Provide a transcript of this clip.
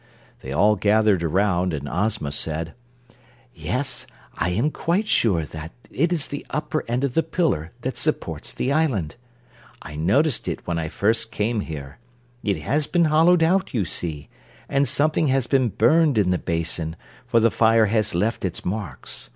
They all gathered around, and Ozma said: "Yes, I am quite sure that is the upper end of the pillar that supports the island. I noticed it when I first came here. It has been hollowed out, you see, and something has been burned in the basin, for the fire has left its marks.